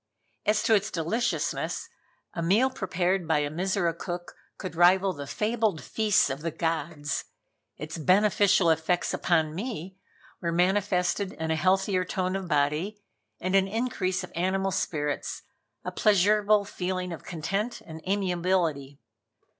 As to its deliciousness, a meal prepared by a Mizora cook could rival the fabled feasts of the gods. Its beneficial effects upon me were manifested in a healthier tone of body and an an increase of animal spirits, a pleasurable feeling of content and amiability.